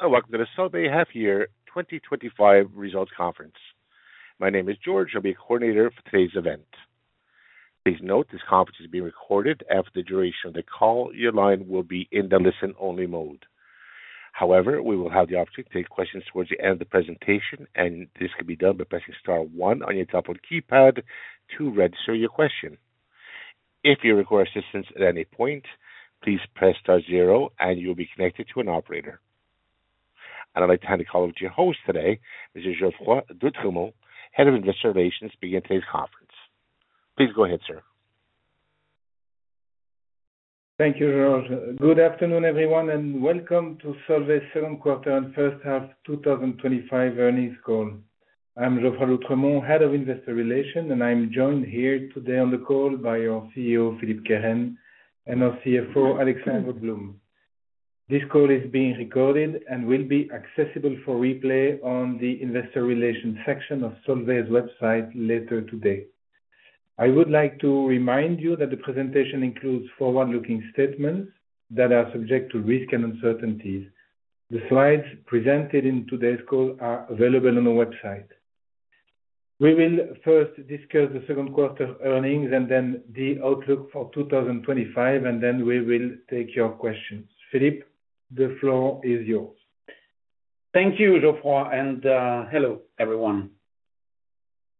Hello and welcome to the Solvay Half Year 2025 Results Conference. My name is George. I'll be a coordinator for today's event. Please note this conference is being recorded. After the duration of the call, your line will be in the listen only mode. However, we will have the opportunity to take questions towards the end of the presentation and this can be done by pressing star one on your top of the keypad to register your question. If you require assistance at any point, please press star zero and you will be connected to an operator. I'd like to hand the call over to your host today, Mr. Geoffroy d'Oultremont, Head of Investor Relations, beginning at today's conference. Please go ahead, sir. Thank you very much. Good afternoon everyone and welcome to Solvay Second Quarter and First Half 2025 Earnings Call. I'm Geoffroy d'Oultremont, Head of Investor Relations, and I'm joined here today on the call by our CEO Philippe Kehren, and our CFO Alexandre Blum. This call is being recorded and will be accessible for replay on the investor relations section of Solvay website later today. I would like to remind you that the presentation includes forward-looking statements that are subject to risks and uncertainties. The slides presented in today's call are available on the website. We will first discuss the second quarter earnings and then the outlook for 2025, and then we will take your questions. Philippe, the floor is yours. Thank you, Geoffroy. And hello everyone.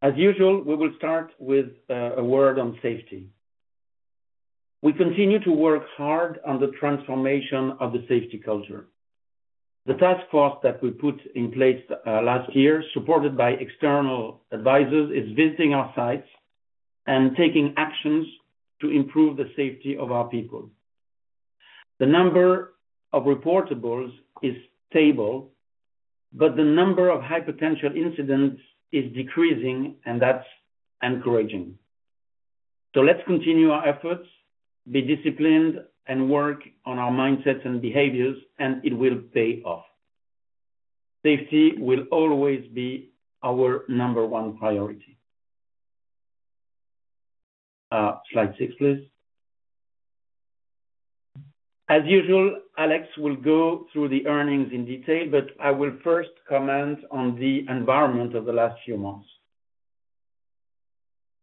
As usual, we will start with a word on safety. We continue to work hard on the transformation of the safety culture. The task force that we put in place last year, supported by external advisors, is visiting our sites and taking actions to improve the safety of our people. The number of reportables is stable, but the number of high potential incidents is decreasing and that's encouraging. Let's continue our efforts, be disciplined and work on our mindsets and behaviors and it will pay off. Safety will always be our number one priority. Slide six, please. As usual, Alex will go through the earnings in detail, but I will first comment on the environment of the last few months.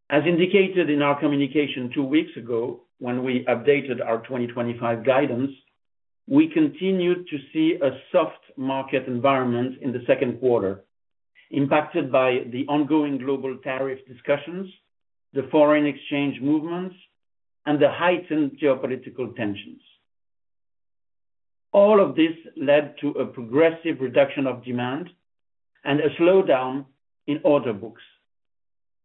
As indicated in our communication two weeks ago when we updated our 2025 guidance, we continue to see a soft market environment in the second quarter impacted by the ongoing global tariff discussions, the foreign exchange movements and the heightened geopolitical tensions. All of this led to a progressive reduction of demand and a slowdown in order books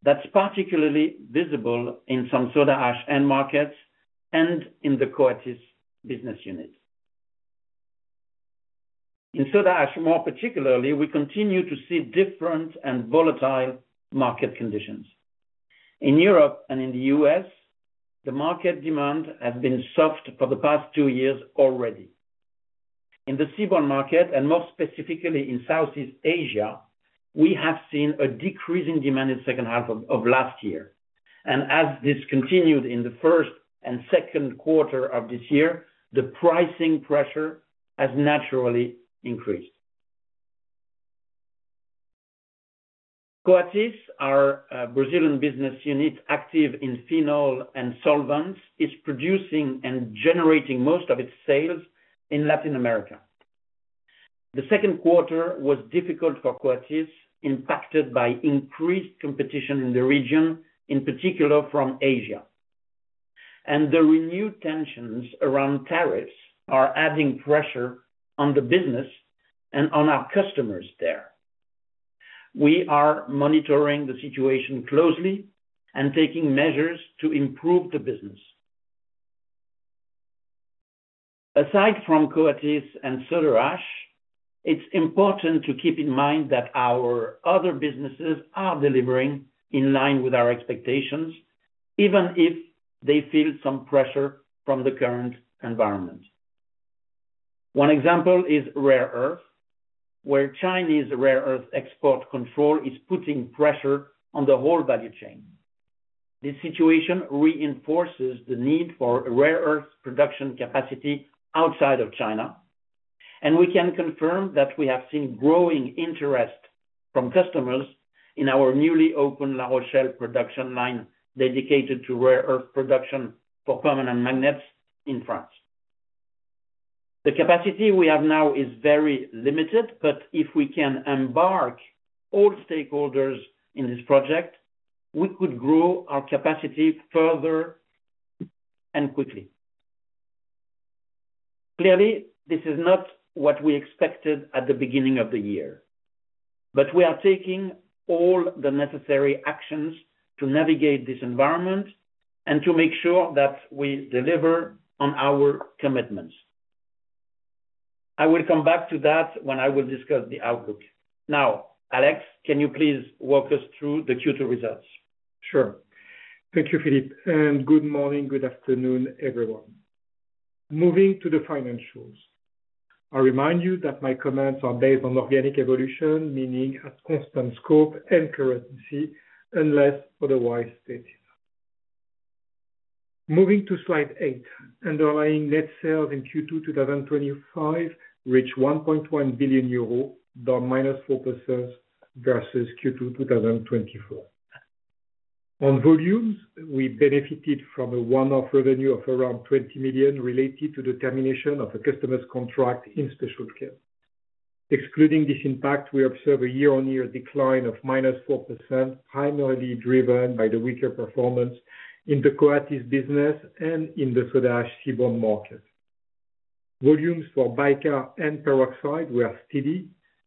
that's particularly visible in some Soda Ash end markets and in the Coatis business unit. In Soda Ash more particularly, we continue to see different and volatile market conditions in Europe and in the U.S. The market demand has been soft for the past two years already. In the seaborne market and more specifically in Southeast Asia, we have seen a decreasing demand in the second half of last year and as this continued in the first and second quarter of this year, the pricing pressure has naturally increased. Coatis, our Brazilian business unit, active in phenol and solvents, is producing and generating most of its sales in Latin America. The second quarter was difficult for Coatis, impacted by increased competition in the region, in particular from Asia. The renewed tensions around tariffs are adding pressure on the business and on our customers there. We are monitoring the situation closely and taking measures to improve the business. Aside from Coatis and Soda Ash, it's important to keep in mind that our other businesses are delivering in line with our expectations, even if they feel some pressure from the current environment. One example is rare earth, where Chinese rare earth export control is putting pressure on the whole value chain. This situation reinforces the need for rare earth production capacity outside of China, and we can confirm that we have seen growing interest from customers in our newly opened La Rochelle production line dedicated to rare earth production for permanent magnets in France. The capacity we have now is very limited, but if we can embark all stakeholders in this project, we could grow our capacity further and quickly. Clearly, this is not what we expected at the beginning of the year, but we are taking all the necessary actions to navigate this environment and to make sure that we deliver on our commitments. I will come back to that when I discuss the outlook now. Alex, can you please walk us through the Q2 results? Sure. Thank you, Philippe, and good morning. Good afternoon, everyone. Moving to the financials, I remind you that my comments are based on organic evolution, meaning at constant scope and currency unless otherwise stated. Moving to slide eight, underlying net sales in Q2 2025 reached 1.1 billion euro, -4% versus Q2 2024. On volumes, we benefited from a one-off revenue of around 20 million related to the termination of a customer's contract in Special Chem. Excluding this impact, we observe a year-on-year decline of -4%, primarily driven by the weaker performance in the Coatis business and in the Soda Ash seaborne market. Volumes for Bicar and hydrogen peroxide were steady,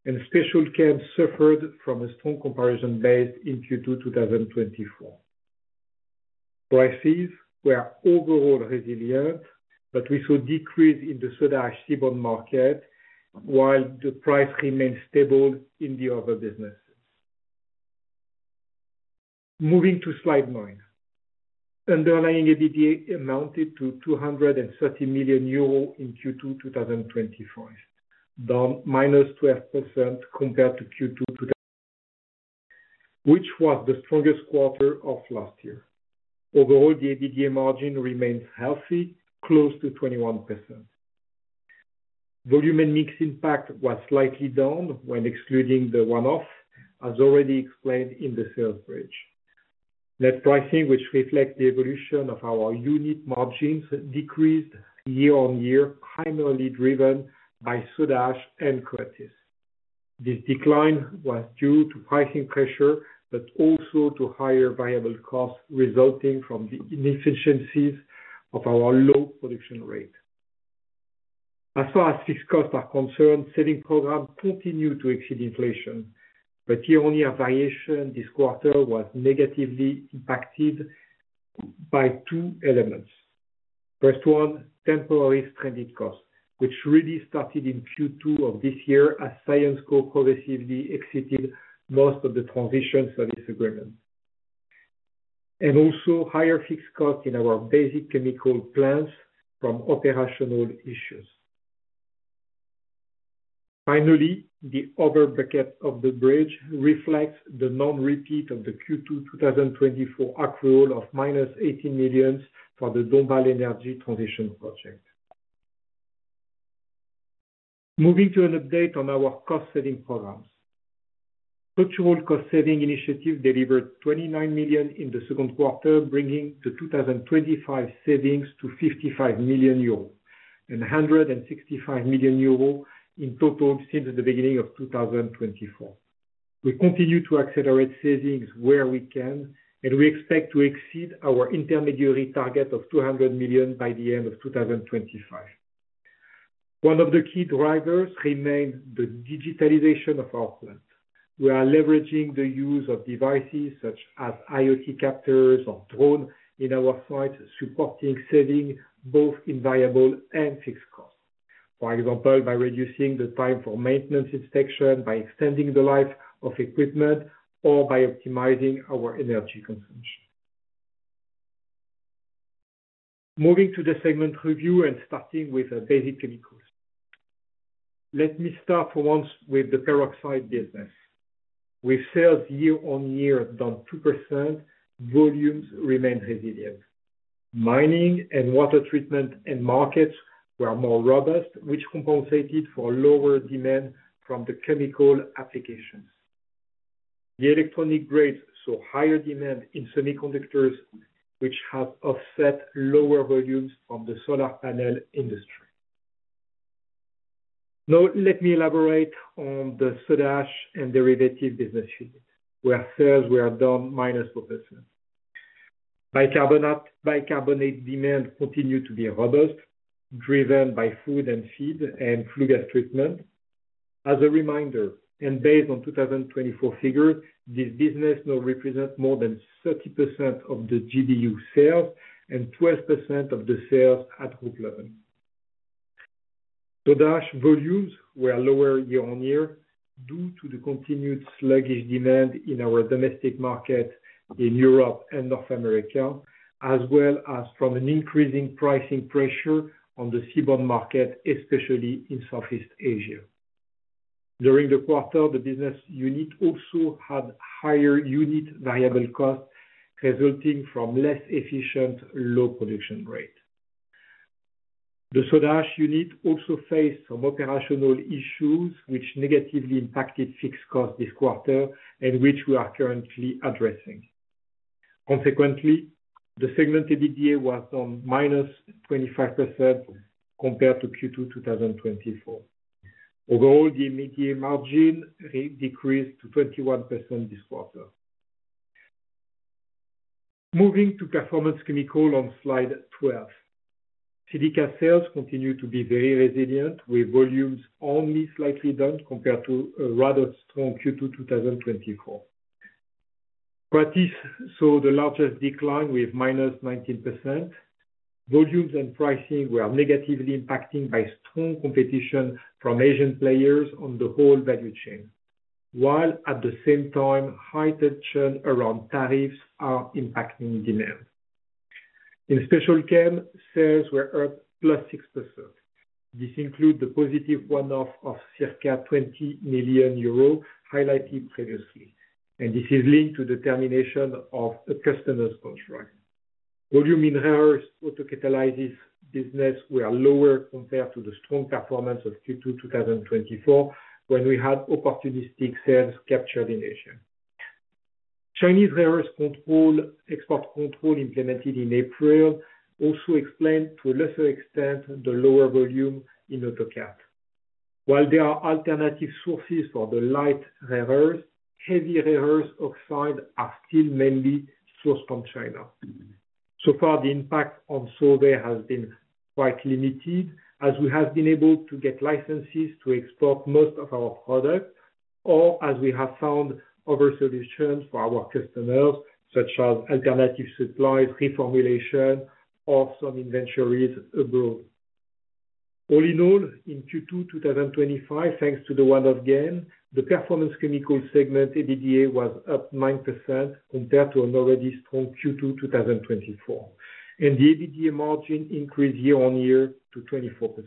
and Special Chem suffered from a strong comparison base. In Q2 2024, prices were overall resilient, but we saw a decrease in the Soda Ash seaborne market while the price remained stable in the other businesses. Moving to slide nine, underlying EBITDA amounted to 230 million euro in Q2 2025, down -12% compared to Q2, which was the strongest quarter of last year. Overall, the EBITDA margin remains healthy, close to 21%. Volume and mix impact was slightly down when excluding the one-off. As already explained in the sales bridge, net pricing, which reflects the evolution of our unit margins, decreased year-on-year, primarily driven by Soda Ash and Coatis. This decline was due to pricing pressure but also to higher variable costs resulting from the inefficiency of our low production rate. As far as fixed costs are concerned, saving programs continue to exceed inflation, but year-on-year variation this quarter was negatively impacted by two elements. The first one is temporary stranded cost, which really started in Q2 of this year as Syensqo progressively exited most of the transition service agreement, and also higher fixed costs in our basic chemical plants from operational issues. Finally, the other bucket of the bridge reflects the non-repeat of the Q2 2024 accrual of -18 million for the Dombasle Energie transition project. Moving to an update on our cost saving programs, structural cost-saving initiatives delivered 29 million in the second quarter, bringing the 2025 savings to 55 million euros and 165 million euros in total since the beginning of 2024. We continue to accelerate savings where we can, and we expect to exceed our intermediary target of 200 million by the end of 2025. One of the key drivers remains the digitalization of our plant. We are leveraging the use of devices such as IoT captors or drones in our site, supporting saving both in variable and fixed costs, for example by reducing the time for maintenance inspection, by extending the life of equipment, or by optimizing our energy consumption. Moving to the segment review and starting with basic chemicals, let me start for once with the hydrogen peroxide business. With sales year-on-year down 2%, volumes remained resilient. Mining and water treatment end markets were more robust, which compensated for lower demand from the chemical applications. The electronic grades saw higher demand in semiconductors, which has offset lower volumes from the solar panel industry. Now let me elaborate on the Soda Ash and derivative business unit where sales were down -4%. Bicarbonate demand continued to be robust, driven by food and feed and flue gas treatment. As a reminder and based on 2024 figures, this business now represents more than 30% of the GDU sales and 12% of the sales at group level. Soda Ash volumes were lower year-on-year due to the continued sluggish demand in our domestic market in Europe and North America, as well as from increasing pricing pressure on the seaborne market, especially in Southeast Asia. During the quarter, the business unit also had higher unit variable cost resulting from less efficient low production rate. The Soda Ash unit also faced some operational issues, which negatively impacted fixed costs this quarter and which we are currently addressing. Consequently, the segment EBITDA was down -25% compared to Q2 2024. Overall, the EBITDA margin decreased to 21% this quarter. Moving to Performance Chemicals on slide 12, Silica sales continued to be very resilient with volumes only slightly down compared to a rather strong Q2 2024. Coatis saw the largest decline with -19%. Volumes and pricing were negatively impacted by strong competition from Asian players on the whole value chain, while at the same time high tension around tariffs are impacting demand. In Special Chem sales were up +6%. This includes the positive one-off of circa 20 million euros highlighted previously, and this is linked to the termination of a customer's contract. Volumes in rare earths autocatalysis business were lower compared to the strong performance of Q2 2024, when we had opportunistic sales captured in as Chinese rare earths. Export control implemented in April also explained to a lesser extent the lower volume in autocatalysis. While there are alternative sources for the light rare earth, heavy rare earth oxide are still mainly sourced from China. So far the impact on Solvay has been quite limited as we have been able to get licenses to export most of our products or as we have found other solutions for our customers such as alternative supplies, reformulation, or some inventories abroad. All in all, in Q2 2025, thanks to the one-off gain, the Performance Chemicals segment EBITDA was up 9% compared to an already strong Q2 2024, and the EBITDA margin increased year-on-year to 24%.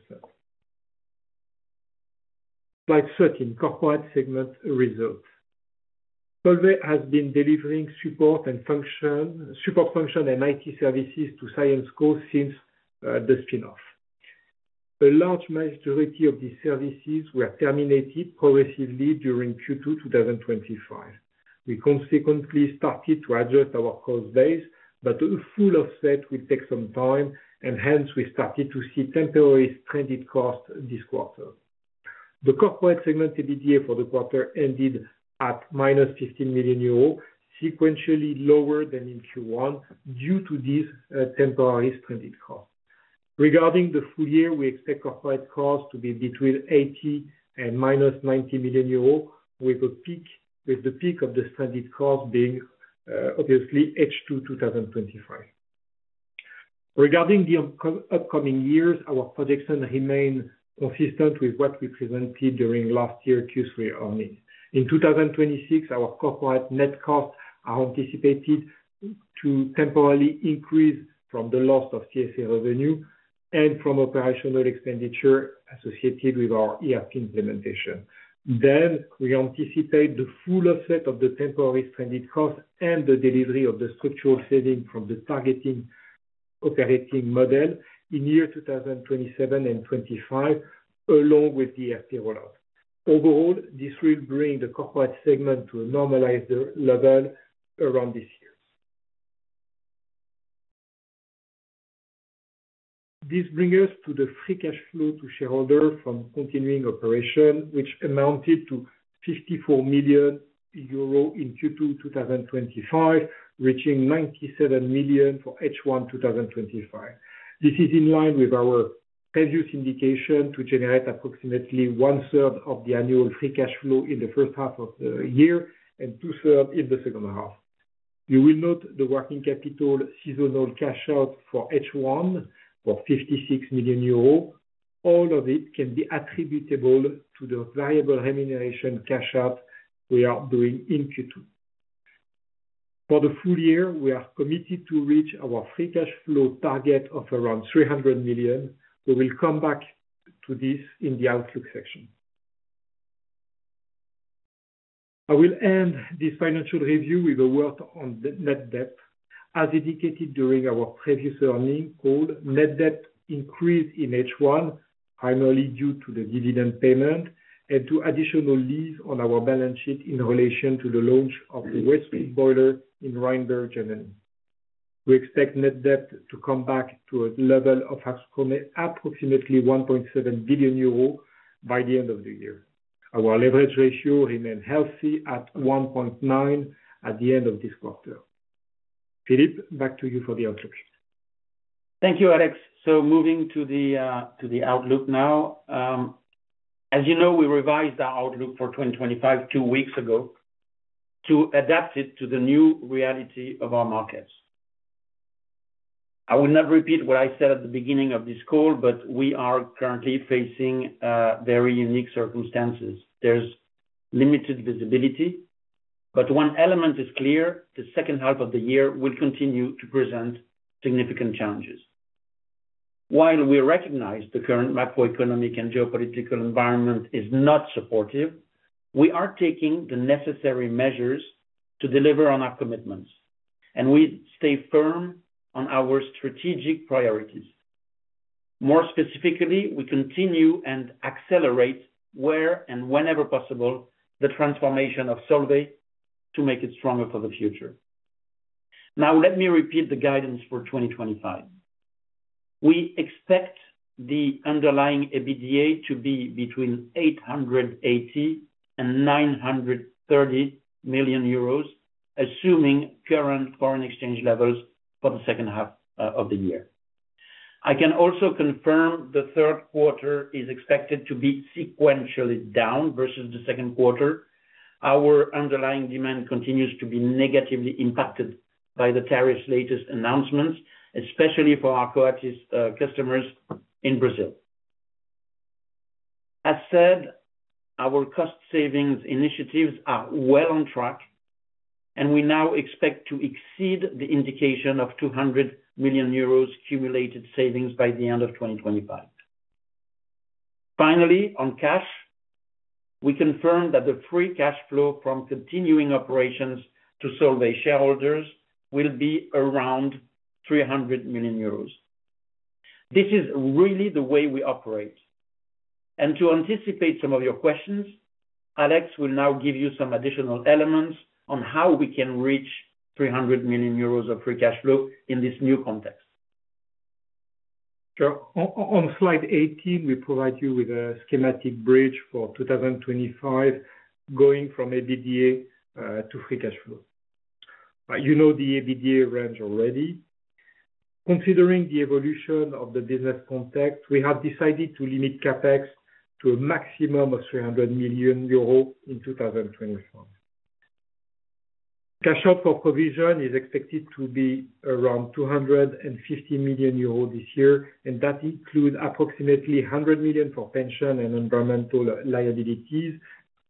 Slide 13 Corporate Segment results: Solvay has been delivering support function and IT services to Syensqo since the spinoff. A large majority of these services were terminated progressively during Q2 2025. We consequently started to adjust our cost base, but a full offset will take some time, and hence we started to see temporary stranded cost this quarter. The Corporate Segment EBITDA for the quarter ended at -15 million euro, sequentially lower than in Q1 due to these temporary stranded costs. Regarding the full year, we expect corporate costs to be between 80 million and -90 million euros, with the peak of the stranded cost being obviously H2 2025. Regarding the upcoming years, our projection remains consistent with what we presented during last year Q3 earnings in 2026. Our corporate net costs are anticipated to temporarily increase from the loss of TSA revenue and from operational expenditure associated with our ERP implementation. We anticipate the full offset of the temporary stranded cost and the delivery of the structural saving from the target operating model in year 2027 and 2025 along with the FT rollout. Overall, this will bring the Corporate Segment to a normalized level around this year. This brings us to the free cash flow to shareholders from continuing operation, which amounted to 54 million euro in Q2 2025, reaching 97 million for H1 2025. This is in line with our previous indication to generate approximately 1/3 of the annual free cash flow in the first half of the year and 2/3 in the second half. You will note the working capital seasonal cash out for H1 for 56 million euros. All of it can be attributable to the variable remuneration cash out we are doing in Q2 for the full year. We are committed to reach our free cash flow target of around 300 million. We will come back to this in the Outlook section. I will end this financial review with a word on net debt. As indicated during our previous earnings call, net debt increased in H1 primarily due to the dividend payment and to additional lease on our balance sheet in relation to the launch of the West boiler in Rheinberg, Germany. We expect net debt to come back to a level of approximately 1.7 billion euros by the end of the year. Our leverage ratio remains healthy at 1.9 at the end of this quarter. Philippe, back to you for the Outlook. Thank you, Alex. Moving to the outlook now. As you know, we revised our outlook for 2025 two weeks ago to adapt it to the new reality of our markets. I will not repeat what I said at the beginning of this call, but we are currently facing very unique circumstances. There's limited visibility, but one element is clear. The second half of the year will continue to present significant challenges. While we recognize the current macro-economic and geopolitical environment is not supportive, we are taking the necessary measures to deliver on our commitments, and we stay firm on our strategic priorities. More specifically, we continue and accelerate where and whenever possible the transformation of Solvay to make it stronger for the future. Now let me repeat the guidance for 2025. We expect the underlying EBITDA to be between 880 million and 930 million euros, assuming current foreign exchange levels for the second half of the year. I can also confirm the third quarter is expected to be sequentially down versus the second. Our underlying demand continues to be negatively impacted by the tariff-related disruptions' latest announcements, especially for our Coatis customers in Brazil. As said, our structural cost-saving initiatives are well on track, and we now expect to exceed the indication of 200 million euros accumulated savings by the end of 2025. Finally, on cash, we confirm that the free cash flow from continuing operations to Solvay shareholders will be around 300 million euros. This is really the way we operate. To anticipate some of your questions, Alex will now give you some additional elements on how we can reach 300 million euros of free cash flow in this new context. On Slide 18, we provide you with a schematic bridge for 2025 going from EBITDA to free cash flow. You know the EBITDA range already. Considering the evolution of the business context, we have decided to limit CapEx to a maximum of 300 million euros in 2025. Cash out for provision is expected to be around 250 million euros this year and that includes approximately 100 million for pension and environmental liabilities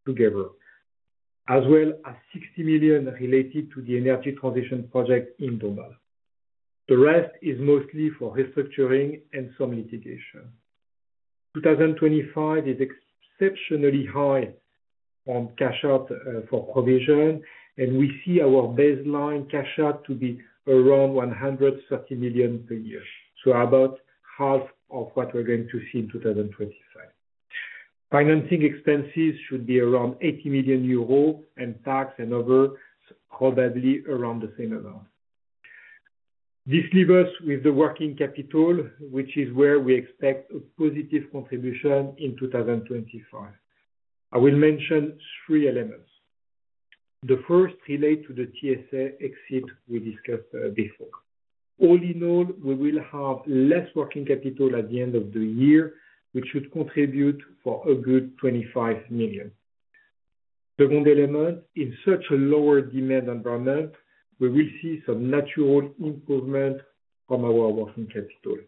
together, as well as 60 million related to the energy transition project in Dombasle. The rest is mostly for restructuring and some litigation. 2025 is exceptionally high on cash out for provision and we see our baseline cash out to be around 130 million per year, about half of what we're going to see in 2025. Financing expenses should be around 80 million euros and tax and other probably around the same amount. This leaves us with the working capital, which is where we expect positive contribution in 2025. I will mention three elements. The first relates to the TSA exit we discussed before. All in all, we will have less working capital at the end of the year, which should contribute for a good 25 million. In such a lower demand environment, we will see some natural improvement from our working capital.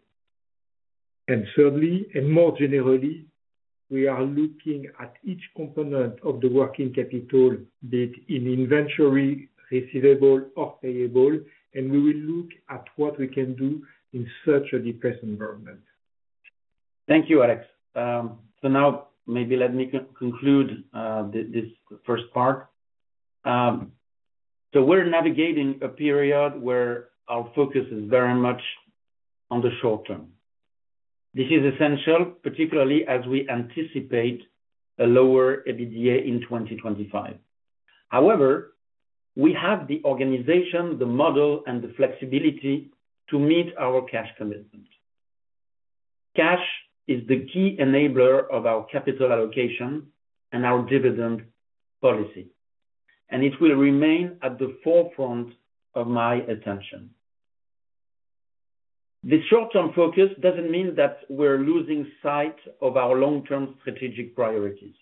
Thirdly and more generally, we are looking at each component of the working capital, be it in inventory, receivable, or payable. We will look at what we can do in such a depressed environment. Thank you, Alex. Now maybe let me conclude this first part. We're navigating a period where our focus is very much on the short term. This is essential, particularly as we anticipate a lower EBITDA in 2025. However, we have the organization, the model, and the flexibility to meet our cash commitment. Cash is the key enabler of our capital allocation and our dividend policy, and it will remain at the forefront of my attention. This short term focus doesn't mean that we're losing sight of our long term strategic priorities.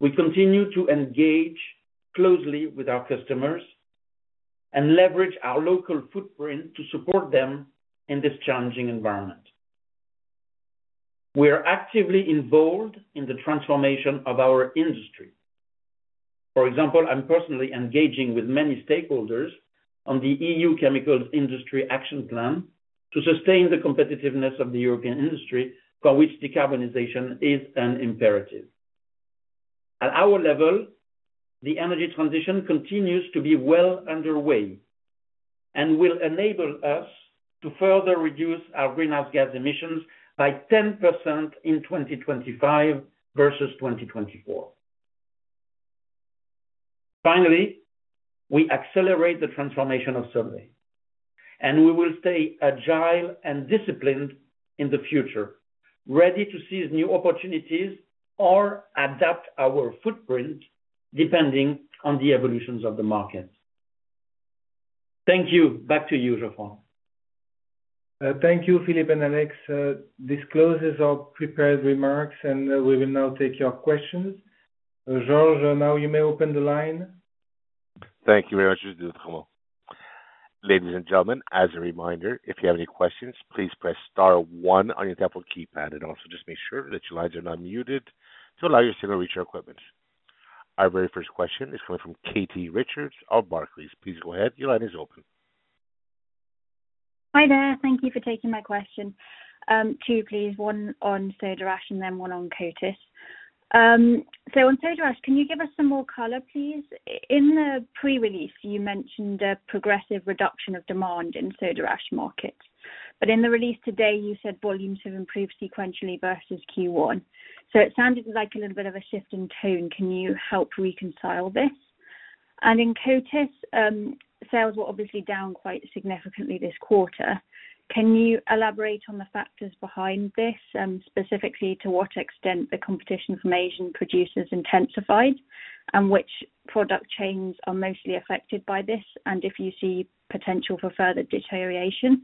We continue to engage closely with our customers and leverage our local footprint to support them in this challenging environment. We are actively involved in the transformation of our industry. For example, I'm personally engaging with many stakeholders on the EU Chemicals Industry Action Plan to sustain the competitiveness of the European industry, for which decarbonization is an imperative. At our level, the energy transition continues to be well underway and will enable us to further reduce our greenhouse gas emissions by 10% in 2025 versus 2024. Finally, we accelerate the transformation of Solvay and we will stay agile and disciplined in the future, ready to seize new opportunities or adapt our footprint depending on the evolutions of the market. Thank you. Back to you, Geoffroy. Thank you, Philippe and Alexandre. This closes our prepared remarks and we will now take your questions. George, now you may open the line. Thank you very much, ladies and gentlemen. As a reminder, if you have any questions, please press star one on your table keypad. Also, just make sure that your lines are not muted to allow your signal to reach your equipment. Our very first question is coming from Katie Richards of Barclays. Please go ahead. Your line is open. Hi there. Thank you for taking my question. Two please. One on Soda Ash and then one on Coatis. On Soda Ash, can you give us some more color please? In the pre-release you mentioned a progressive reduction of demand in Soda Ash markets, but in the release today you said volumes have improved sequentially versus Q1. It sounded like a little bit of a shift in tone. Can you help reconcile this? In Coatis, sales were obviously down quite significantly this quarter. Can you elaborate on the factors behind this, specifically to what extent the competition from Asian producers intensified and which product chains are mostly affected by this, and if you see potential for further deterioration.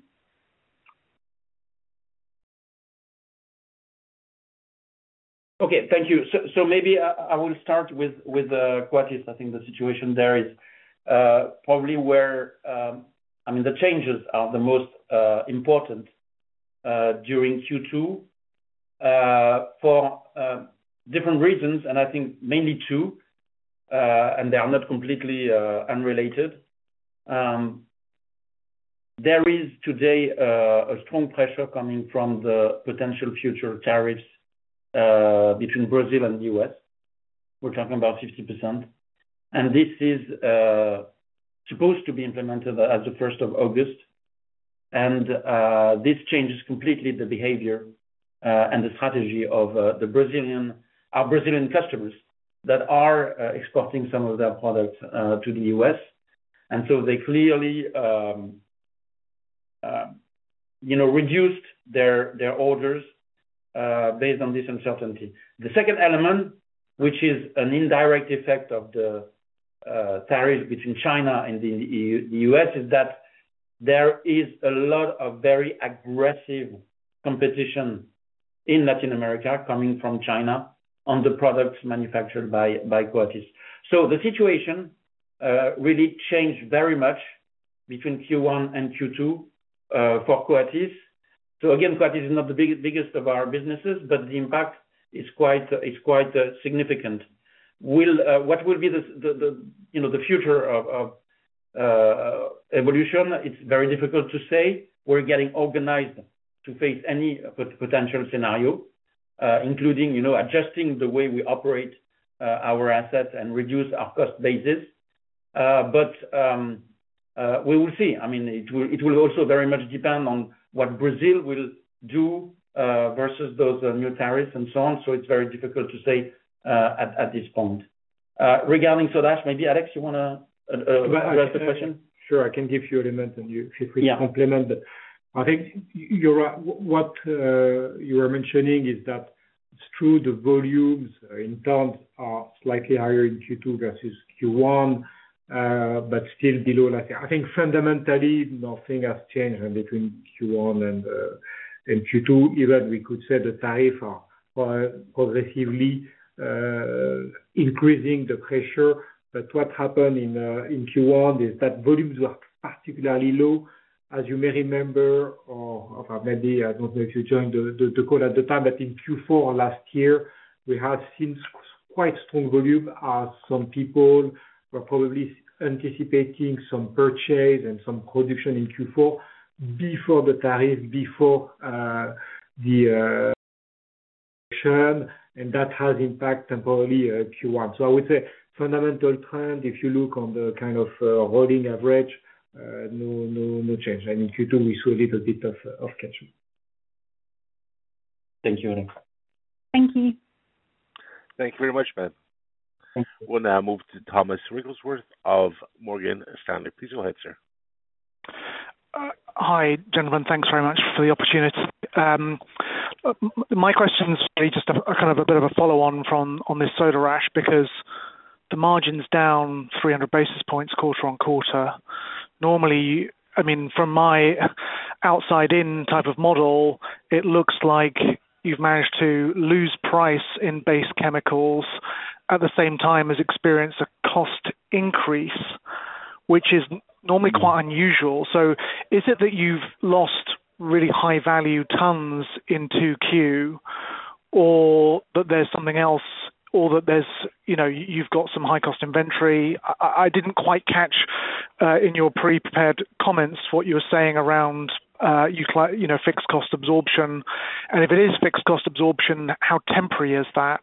Okay, thank you. Maybe I will start with Coatis. I think the situation there is probably where the changes are the most important during Q2 for different reasons, and I think mainly two, and they are not completely unrelated. There is today a strong pressure coming from the potential future tariffs between Brazil and the U.S. We're talking about 50%, and this is supposed to be implemented as the 1st of August. This changes completely the behavior and the strategy of our Brazilian customers that are exporting some of their products to the U.S., and they clearly reduced their orders based on this uncertainty. The second element, which is an indirect effect of the tariffs between China and the U.S., is that there is a lot of very aggressive competition in Latin America coming from China on the products manufactured by Coatis. The situation really changed very much between Q1 and Q2 for Coatis. Coatis is not the biggest of our businesses, but the impact is quite significant. What will be the future of evolution? It's very difficult to say. We're getting organized to face any potential scenario, including adjusting the way we operate our assets and reduce our cost basis. We will see. It will also very much depend on what Brazil will do versus those new tariffs and so on. It's very difficult to say at this point. regarding Soda Ash, maybe Alex, you want to address the question? Sure. I can give you a moment and you feel free to compliment, but I think you're right, what you were mentioning is that the volumes in terms are slightly higher in Q2 versus Q1 but still below last year. I think fundamentally nothing has changed between Q1 and Q2. Even we could say the tariff are progressively increasing the pressure. What happened in Q1 is that volumes were particularly low as you may remember, or maybe I don't know if you joined the call at the time, but in Q4 last year we have seen quite strong volume. Some people were probably anticipating some purchase and some production in Q4 before the tariff. That has impacted temporarily Q1. I would say fundamental trend if you look on the kind of holding average, no change and in Q2 we saw a little bit of catchment. Thank you, Thank you, thank you very much ma'am. We'll now move to Thomas Wrigglesworth of Morgan Stanley. Please go ahead, sir. Hi gentlemen, thanks very much for the opportunity. My question's just kind of a bit of a follow on from this Soda Ash because the margin's down 300 basis points quarter-on-quarter normally. I mean from my outside-in type of model it looks like you've managed to lose price in base chemicals at the same time as experience a cost increase, which is normally quite unusual. Is it that you've lost really high value tons in 2Q or that there's something else, or that you've got some high cost inventory? I didn't quite catch in your pre-prepared comments what you were saying around fixed cost absorption, and if it is fixed cost absorption, how temporary is that?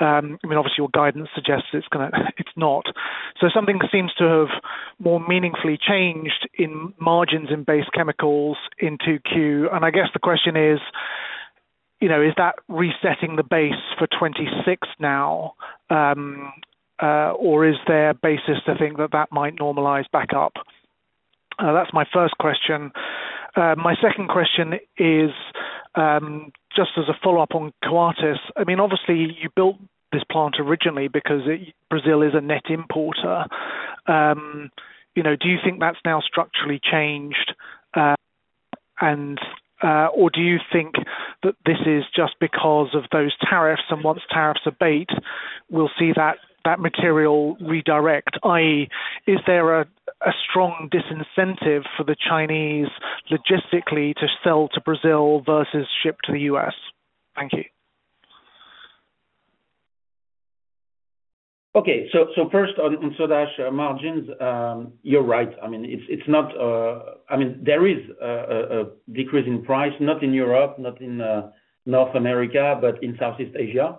Obviously your guidance suggests it's not. Something seems to have more meaningfully changed in margins in base chemicals in 2Q, and I guess the question is, is that resetting the base for 2026 now, or is there basis to think that that might normalize back up? That's my first question. My second question is just as a follow up on Coatis. Obviously you built this plant originally because Brazil is a net importer. Do you think that's now structurally changed, or do you think that this is just because of those tariffs? Once tariffs abate, will we see that material redirect? That is, is there a strong disincentive for the Chinese logistically to sell to Brazil versus ship to the U.S.? Thank you. Okay, so first on Soda Ash margins, you're right. I mean, it's not. I mean, there is a decrease in price not in Europe, not in North America, but in Southeast Asia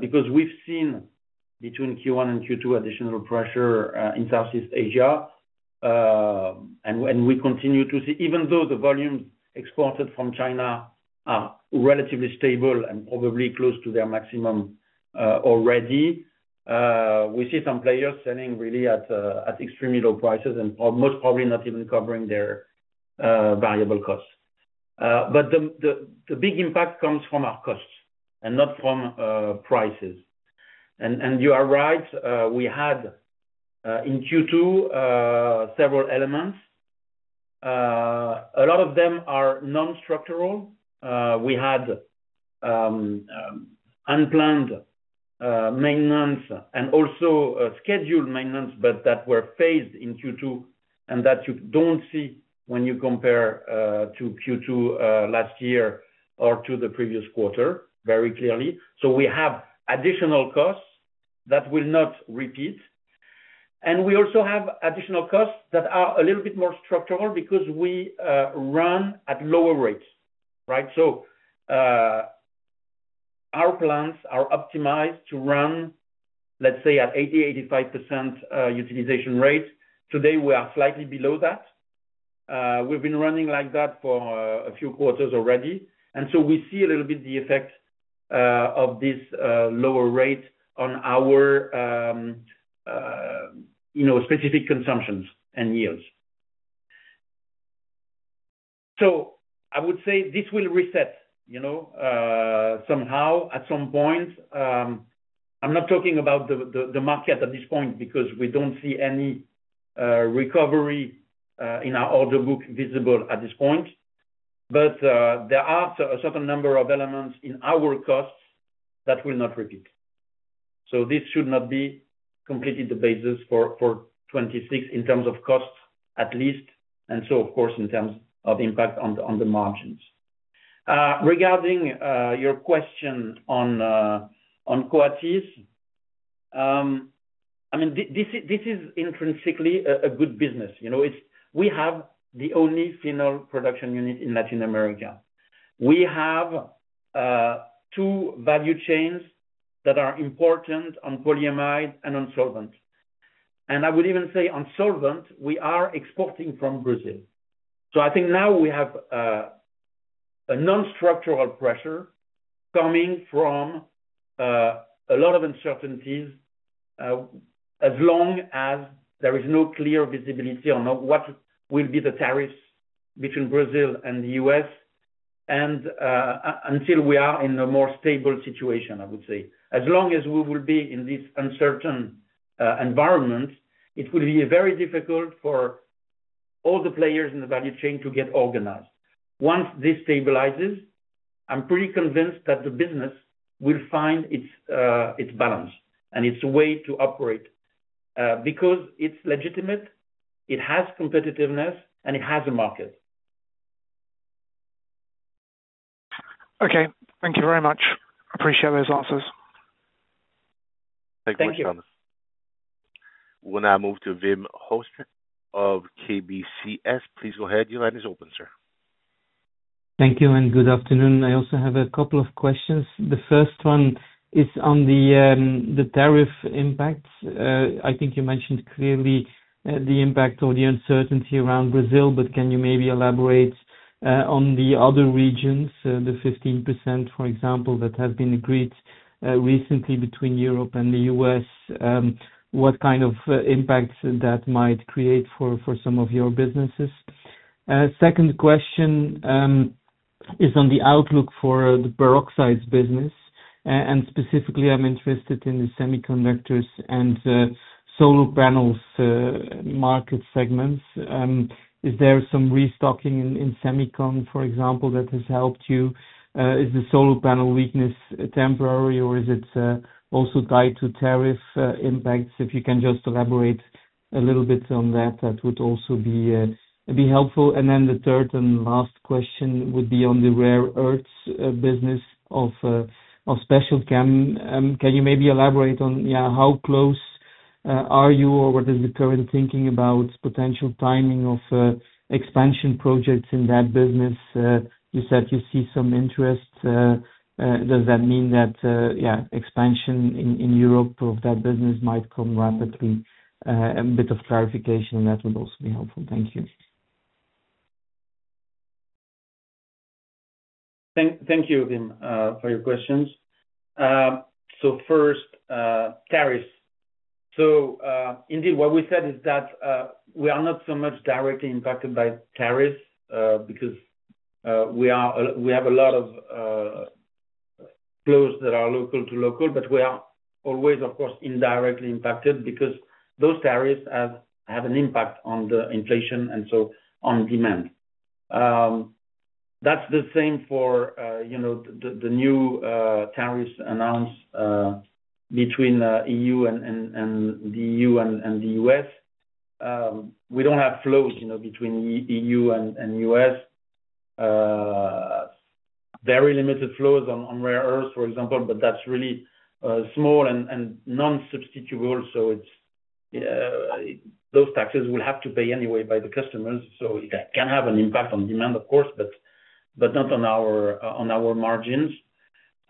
because we've seen between Q1 and Q2 additional pressure in Southeast Asia. We continue to see, even though the volumes exported from China are relatively stable and probably close to their maximum already, we see some players selling really at extremely low prices and most probably not even covering their variable costs. The big impact comes from our costs and not from prices. You are right, we had in Q2 several elements. A lot of them are non-structural. We had unplanned maintenance and also scheduled maintenance, but that were phased in Q2 and that you don't see when you compare to Q2 last year or to the previous quarter very clearly. We have additional costs that will not repeat, and we also have additional costs that are a little bit more structural because we run at lower rates. Right. Our plants are optimized to run, say, at 80%, 85% utilization rate. Today we are slightly below that. We've been running like that for a few quarters already, and we see a little bit the effect of this lower rate on our specific consumptions and yields. I would say this will reset somehow at some point. I'm not talking about the market at this point because we don't see any recovery in our order book visible at this point. There are a certain number of elements in our costs that will not repeat. This should not be completely the basis for 2026 in terms of costs at least. Of course, in terms of impact on the margins, regarding your question on Coatis, I mean, this is intrinsically a good business. We have the only phenol production unit in Latin America. We have two value chains that are important on polyamide and on solvent. I would even say on solvent we are exporting from Brazil. I think now we have a non-structural pressure coming from a lot of uncertainties as long as there is no clear visibility on what will be the tariffs between Brazil and the U.S., and until we are in a more stable situation, I would say as long as we will be in this uncertain environment, it will be very difficult for all the players in the value chain to get organized. Once this stabilizes, I'm pretty convinced that the business will find its balance and its way to operate because it's legitimate, it has competitiveness, and it has a market. Okay, thank you very much. Appreciate those answers. Thank you. Thomas, we will now move to Wim Hoste of KBCS. Please go ahead. Your line is open, sir. Thank you and good afternoon. I also have a couple of questions. The first one is on the tariff impact. I think you mentioned clearly the impact or the uncertainty around Brazil, but can you maybe elaborate on the other regions, the 15% for example, that have been agreed to recently between Europe and the U.S. What kind of impact that might create for some of your businesses? Second question is on the outlook for the peroxides business and specifically I'm interested in the semiconductors and solar panels market segments. Is there some restocking in semicon, for example, that has helped you? Is the solar panel weakness temporary or is it also tied to tariff impacts? If you can just elaborate a little bit on that, that would also be helpful. The third and last question would be on the rare earths business of Special Chem. Can you maybe elaborate on how close are you or what is the current thinking about potential timing of expansion projects in that business? You said you see some interest. Does that mean that expansion in Europe of that business might come rapidly? A bit of clarification, that would also be helpful. Thank you. Thank you for your questions. First, tariffs. Indeed, what we said is that we are not so much directly impacted by tariffs because we have a lot of flows that are local to local, but we are always, of course, indirectly impacted because those tariffs have had an impact on the inflation and on demand. That's the same for the new tariffs announced between the EU and the U.S. We don't have flows between the EU and U.S., very limited flows on rare earth, for example, but that's really small and non-substitutable. Those taxes will have to be paid anyway by the customers. That can have an impact on demand, of course, but not on our margins.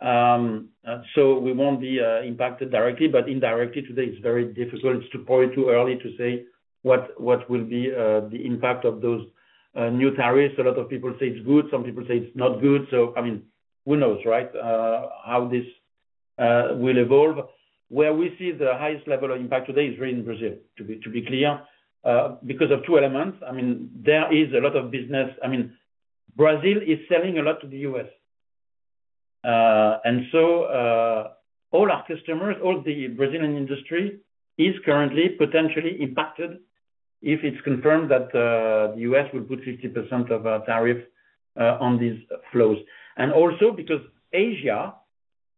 We won't be impacted directly, but indirectly. Today it's very difficult. It's probably too early to say what will be the impact of those new tariffs. A lot of people say it's good, some people say it's not good. Who knows how this will evolve. Where we see the highest level of impact today is really in Brazil, to be clear, because of two elements. There is a lot of business. Brazil is selling a lot to the U.S., and all our customers, all the Brazilian industry, is currently potentially impacted if it's confirmed that the U.S. will put 50% of tariff on these flows. Also, because Asia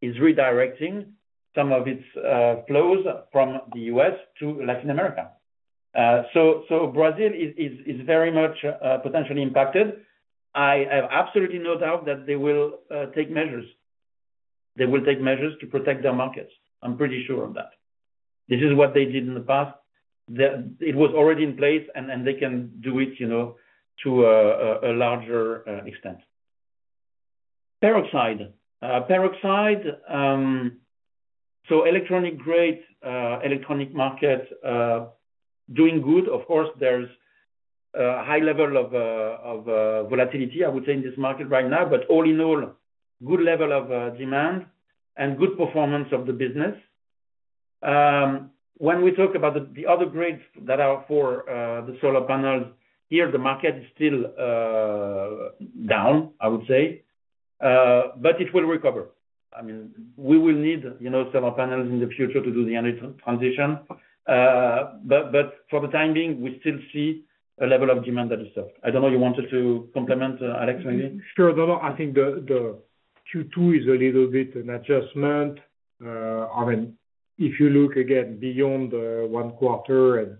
is redirecting some of its flows from the U.S. to Latin America, Brazil is very much potentially impacted. I have absolutely no doubt that they will take measures. They will take measures to protect their markets. I'm pretty sure of that. This is what they did in the past. It was already in place and they can do it to a larger extent. Peroxide, peroxide. Electronic grade, electronic market doing good. Of course, there's a high level of volatility, I would say, in this market right now, but all in all, good level of demand and good performance of the business. When we talk about the other grades that are for the solar panels here, the market is still down, I would say, but it will recover. We will need solar panels in the future to do the energy transition. For the time being, we still see a level of demand that is soft. I don't know. You wanted to compliment Alex, maybe? Sure. I think Q2 is a little bit an adjustment. If you look again beyond one quarter and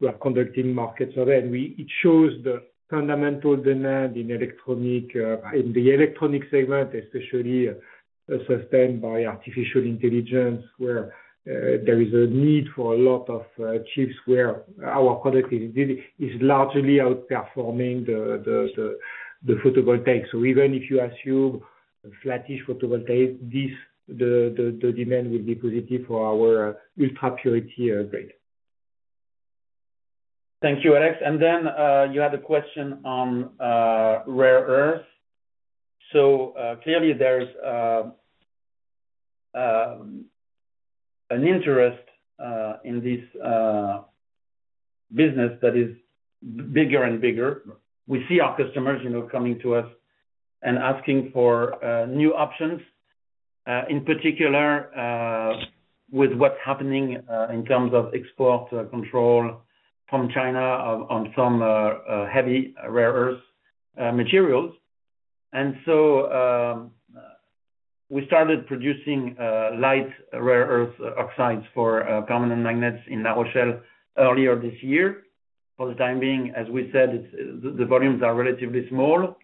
we are conducting markets, it shows the fundamental demand in the electronic segment, especially sustained by artificial intelligence, where there is a need for a lot of chips, where our productivity is largely outperforming the photovoltaic. Even if you assume flattish photovoltaic, the demand will be positive for our ultra purity grade. Thank you, Alex. You had a question on rare earth. Clearly there's an interest in this business that is bigger and bigger. We see our customers coming to us and asking for new options, in particular with what's happening in terms of export control from China on some heavy rare earth materials. We started producing light rare earth oxides for common magnets in La Rochelle earlier this year. For the time being, as we said, the volumes are relatively small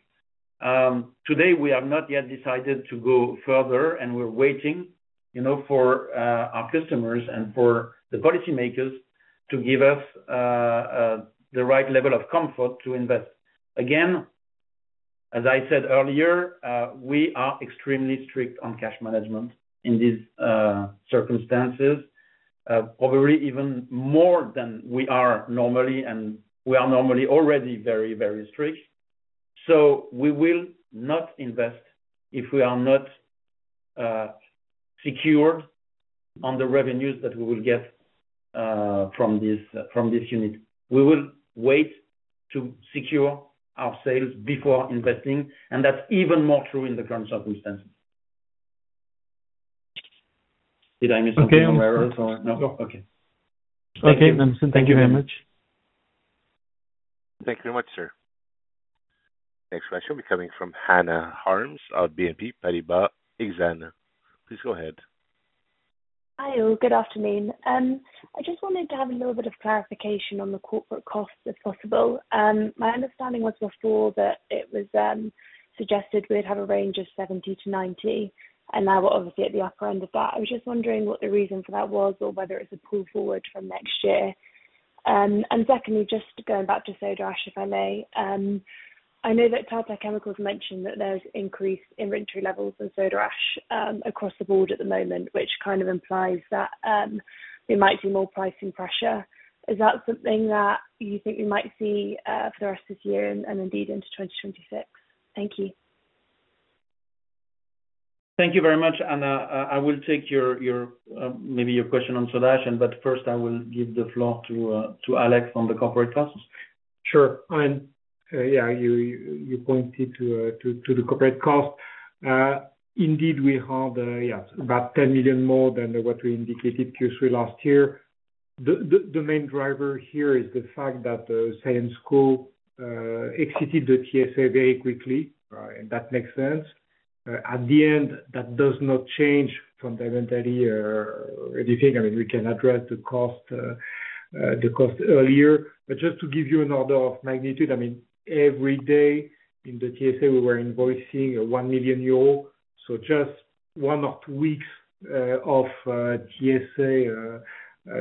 today. We have not yet decided to go further and we're waiting for our customers and for the policymakers to give us the right level of comfort to invest again. As I said earlier, we are extremely strict on cash management in these circumstances, probably even more than we are normally. We are normally already very, very strict. We will not invest if we are not secured on the revenues that we will get from this unit. We will wait to secure our sales before investing. That's even more true in the current circumstances. Did I miss any? Okay, thank you very much. Thank you very much, sir. Next question will be coming from Hannah Harms of BNP Paribas Exane. Please go ahead. Hi, all. Good afternoon. I just wanted to have a little bit of clarification on the corporate costs, if possible. My understanding was before that it was suggested we'd have a range of 70 million-90 million, and now we're obviously at the upper end of that. I was just wondering what the reason for that was or whether it's a pull forward from next year. Secondly, just going back to Soda Ash, if I may. I know that Tata Chemicals mentioned that there's increased inventory levels in Soda Ash across the board at the moment, which kind of implies that we might see more pricing pressure. Is that something that you think we might see for the rest of the year and indeed into 2026? Thank you. Thank you very much. I will take your question on Soda Ash and first I will give the floor to Alex on the Corporate costs. Yeah. You pointed to the corporate cost. Indeed, we have about 10 million more than what we indicated Q3 last year. The main driver here is the fact that Syensqo exited the TSA very quickly. That makes sense at the end. That does not change fundamentally anything. I mean, we can address the cost earlier, but just to give you an order of magnitude, every day in the TSA we were invoicing 1 million euros. Just one or two weeks of TSA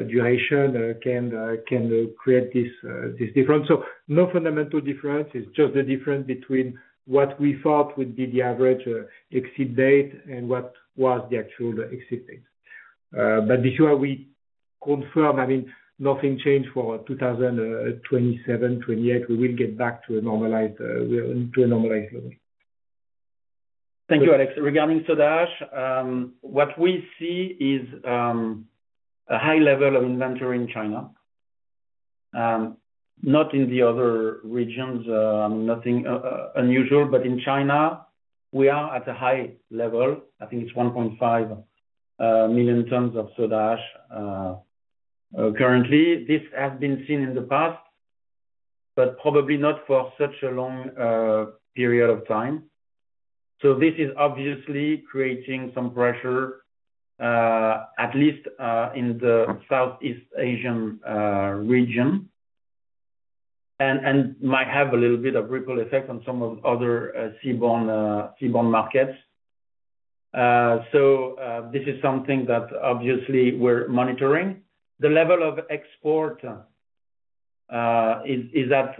duration can create this difference. No fundamental difference, it's just the difference between what we thought would be the average exit date and what was the actual exit date. Before we confirm, nothing changed for 2027, 2028. We will get back to a normalized level. Thank you, Alex. Regarding Soda Ash, what we see is a high level of inventory in China. Not in the other regions, nothing unusual. In China we are at a high level. I think it's 1.5 million tons of Soda Ash currently. This has been seen in the past, but probably not for such a long period of time. This is obviously creating some pressure, at least in the Southeast Asia region, and might have a little bit of ripple effect on some of the other seaborne markets. This is something that we're monitoring. The level of export is at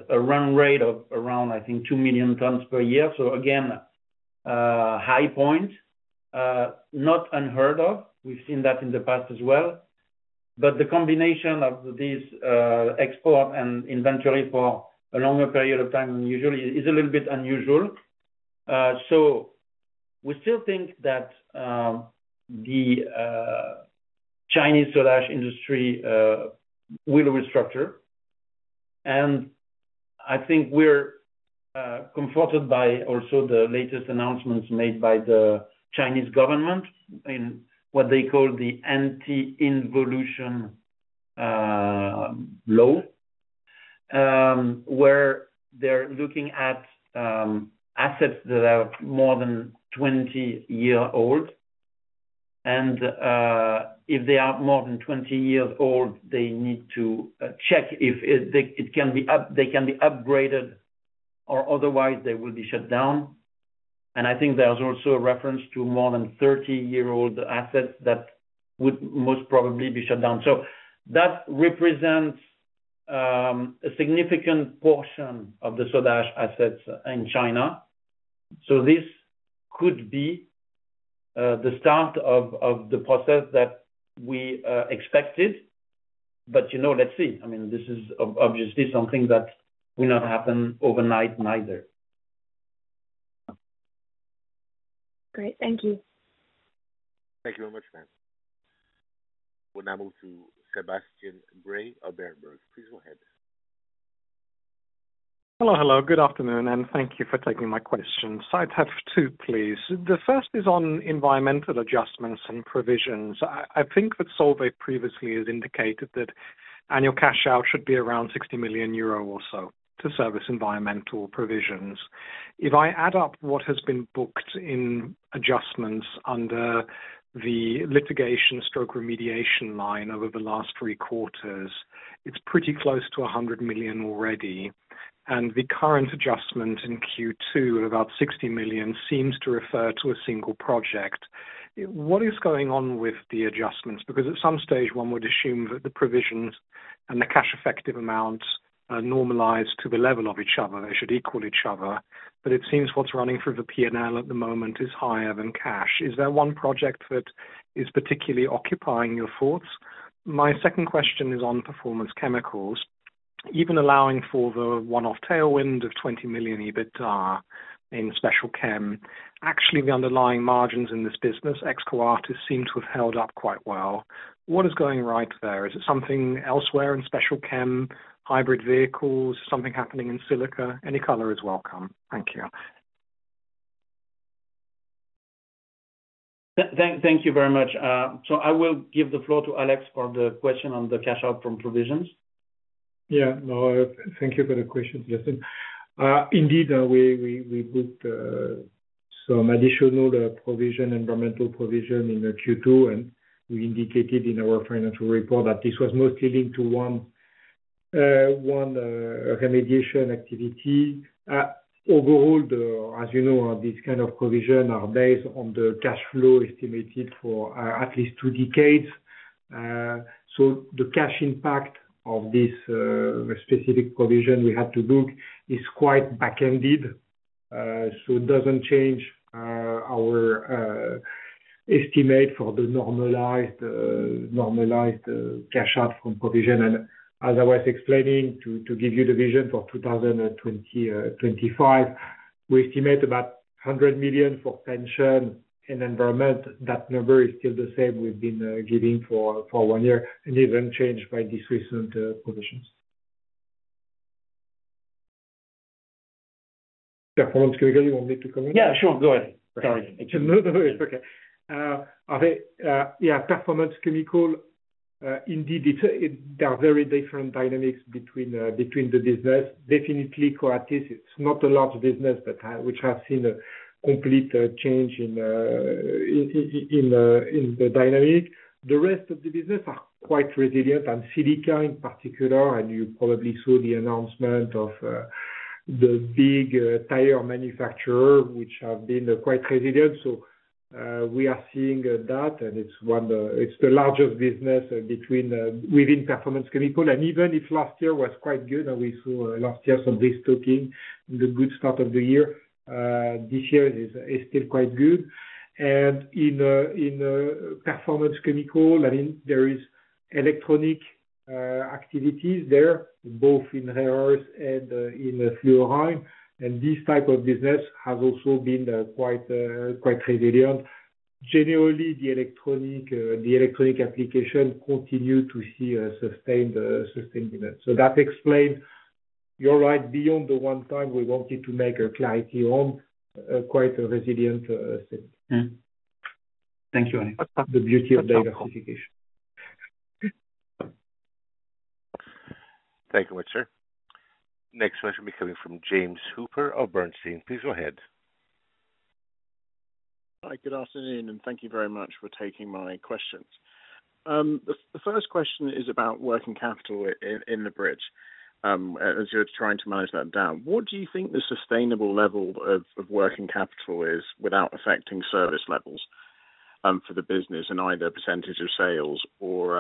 a run rate of around, I think, 2 million tons per year. High point, not unheard of. We've seen that in the past as well. The combination of this export and inventory for a longer period of time than usual is a little bit unusual. We still think that the chinese Soda Ash industry will restructure, and I think we're comforted by also the latest announcements made by the Chinese government in what they call the anti-involution law, where they're looking at assets that are more than 20 years old, and if they are more than 20 years old, they need to check if they can be upgraded or otherwise they will be shut down. I think there's also a reference to more than 30-year-old assets that would most probably be shut down. That represents a significant portion of the Soda Ash assets in China. This could be the start of the process that we expected. Let's see. This is obviously something that will not happen overnight either. Great, thank you. Thank you very much, ma'am. We'll now move to Sebastian Bray of Berenberg. Please go ahead. Hello. Hello, good afternoon and thank you for taking my questions. I'd have two please. The first is on environmental adjustments and provisions. I think that Solvay previously has indicated that annual cash out should be around 60 million euro or so to service environmental provisions. If I add up what has been booked in adjustments under the litigation stroke remediation line over the last three quarters, it's pretty close to 100 million already. The current adjustment in Q2 of about 60 million seems to refer to a single project. What is going on with the adjustments? At some stage one would assume that the provisions and the cash effective amounts normalize to the level of each other. They should equal each other. It seems what's running through the P&L at the moment is higher than cash. Is there one project that is particularly occupying your thoughts? My second question is on performance chemicals. Even allowing for the one-off tailwind of 20 million EBITDA in Special Chem, actually the underlying margins in this business ex-Coatis seem to have held up quite well. What is going right there? Is it something elsewhere in Special Chem hybrid vehicles? Something happening in Silica? Any color is welcome. Thank you. Thank, thank you very much. I will give the floor to Alex for the question on the cash out from provisions. Yeah, thank you for the question. Indeed, we booked some additional provision, environmental provision in Q2, and we indicated in our financial report that this was mostly linked to one remediation activity. Overall, as you know, this kind of provision is based on the cash flow estimated for at least two decades. The cash impact of this specific provision we had to book is quite back ended. It doesn't change our estimate for the normalized cash out from provision. As I was explaining, to give you the vision for 2025, we estimate about 100 million for pension and environment. That number is still the same we've been giving for one year and isn't changed by these recent provisions. Performance Chemical, you want me to comment? Yeah, sure. Go ahead. Sorry. No, no. Okay. Yeah. Performance Chemical indeed. There are very different dynamics between the business. Definitely Coatis. It's not a large business which has seen a complete change in the dynamic. The rest of the business are quite resilient and silica in particular. You probably saw the announcement of the big tire manufacturer which have been quite resilient. We are seeing that and it's the largest business within Performance Chemical and even if last year was quite good and we saw last year some restocking, the good start of the year this year is still quite good. In Performance Chemicals there is electronic activities there both in rare earth and in fluorine. This type of business has also been quite resilient. Generally the electronic application continue to see a sustained demand. That explains. You're right. Beyond the one time we wanted to make a clarity on quite a resilient thing. Thank you. The beauty of diversification. Thank you very much sir. Next question will be coming from James Hooper of Bernstein. Please go ahead. Hi, good afternoon and thank you very much. much for taking my questions. The first question is about working capital in the bridge. As you're trying to manage that down, what do you think the sustainable level of working capital is without affecting service levels for the business and either percentage of sales or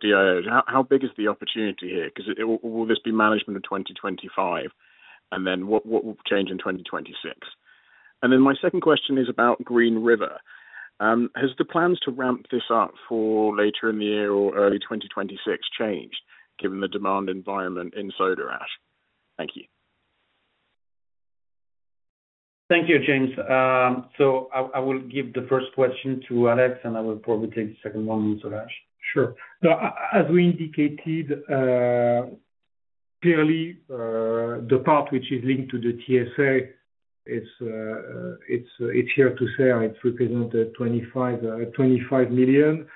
days, how big is the opportunity here? Will this be management of 2025, and what will change in 2026? My second question is about Green River. Has the plans to ramp this up for later in the year or early 2026 change given the demand environment in Soda Ash? Thank you. Thank you, James. I will give the first question to Alex and I will probably take the second one. Sure. As we indicated clearly, the part which is linked to the TSA, it's here to say it represented 25 million.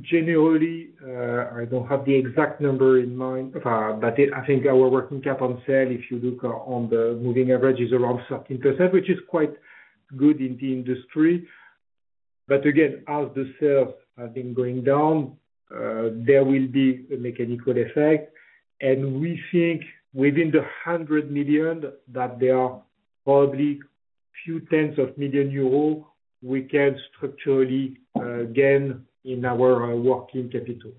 Generally, I don't have the exact number in mind, but I think our working capital, if you look on the moving averages, is around 13%, which is quite good in the industry. As the sales have been going down, there will be a mechanical effect, and we think within the 100 million that there are probably few tens of million euro we can structurally gain in our working capital.